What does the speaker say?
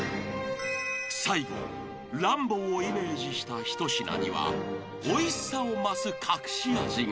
［最後『ランボー』をイメージした一品にはおいしさを増す隠し味が］